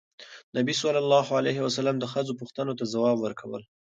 نبي ﷺ د ښځو پوښتنو ته ځواب ورکول.